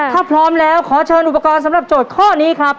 ถ้าพร้อมแล้วขอเชิญอุปกรณ์สำหรับโจทย์ข้อนี้ครับ